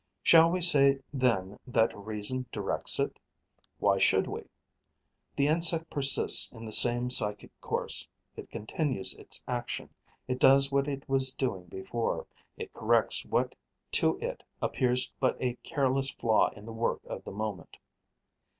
Shall we say then that reason directs it? Why should we? The insect persists in the same psychic course, it continues its action, it does what it was doing before, it corrects what to it appears but a careless flaw in the work of the moment.